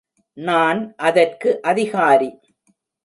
நான் அதற்கு அதிகாரி.